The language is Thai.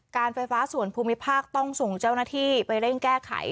การไฟฟ้าส่วนภูมิภาคต้องส่งเจ้าหน้าที่ไปเร่งแก้ไข